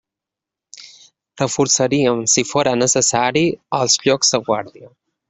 Reforçaríem, si fóra necessari, els llocs de guàrdia.